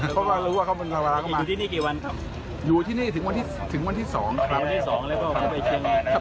เค้ารู้ประมาณมันนี่วันคบอยู่ที่นี่ถึงวันที่๒ครับ